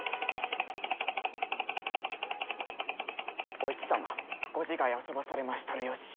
お市様ご自害あそばされましたる由。